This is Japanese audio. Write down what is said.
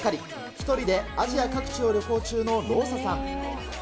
１人でアジア各地を旅行中のローサさん。